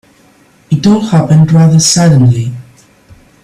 It all happened rather suddenly.